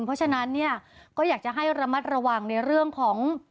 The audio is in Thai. เพราะฉะนั้นเนี่ยก็อยากจะให้ระมัดระวังในเรื่องของ